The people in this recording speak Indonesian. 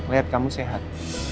lihat kamu sehat